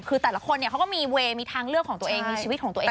คือแต่ละคนเขาก็มีเวย์มีทางเลือกของตัวเองมีชีวิตของตัวเอง